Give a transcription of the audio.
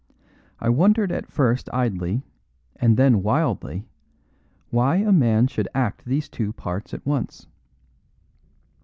I wondered at first idly and then wildly why a man should act these two parts at once.